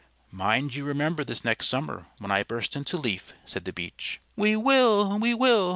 "Mind you remember this next summer when I burst into leaf," said the Beech. "We will! we will!"